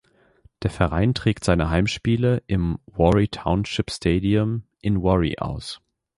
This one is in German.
Der Verein trägt seine Heimspiele im Warri Township Stadium in Warri aus.